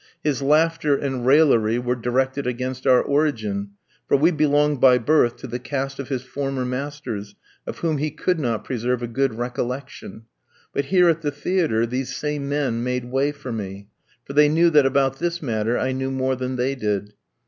His laughter and raillery were directed against our origin, for we belonged by birth to the caste of his former masters, of whom he could not preserve a good recollection; but here at the theatre these same men made way for me; for they knew that about this matter I knew more than they did.